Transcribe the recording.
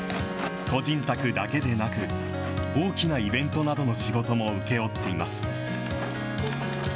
個人宅だけでなく、大きなイベントなどの仕事も請け負っています。